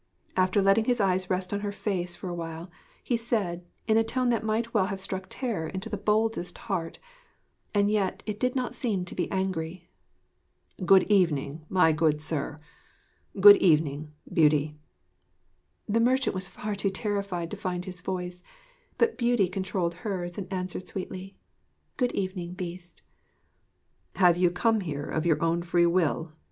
After letting his eyes rest on her face for a while, he said, in a tone that might well have struck terror into the boldest heart (and yet it did not seem to be angry): 'Good evening, my good sir! Good evening, Beauty!' The merchant was too far terrified to find his voice; but Beauty controlled hers and answered sweetly: 'Good evening, Beast!' 'Have you come here of your own free will?'